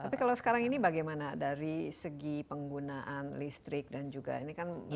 tapi kalau sekarang ini bagaimana dari segi penggunaan listrik dan juga ini kan